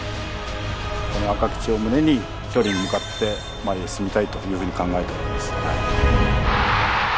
この赤き血を胸に勝利に向かって前へ進みたいというふうに考えております。